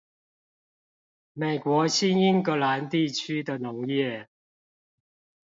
美國新英格蘭地區的農業